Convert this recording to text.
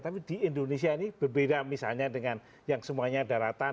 tapi di indonesia ini berbeda misalnya dengan yang semuanya daratan